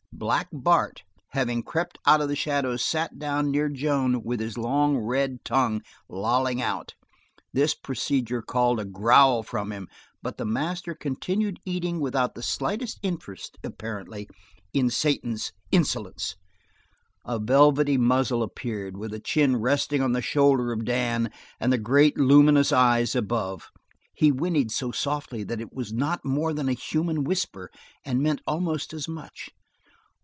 Black Bart, having crept out of the shadows sat down near Joan with his long red tongue lolling out. This procedure called a growl from him, but the master continued eating without the slightest interest, apparently, in Satan's insolence. A velvety muzzle appeared, with the chin resting on the shoulder of Dan and the great, luminous eyes above. He whinnied so softly that it was not more than a human whisper, and meant almost as much.